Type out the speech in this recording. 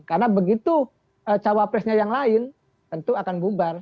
karena begitu cawapresnya yang lain tentu akan bubar